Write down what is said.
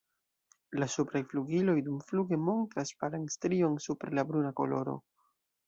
La supraj flugiloj dumfluge montras palan strion super la bruna koloro.